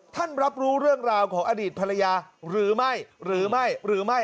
รับรู้เรื่องราวของอดีตภรรยาหรือไม่หรือไม่หรือไม่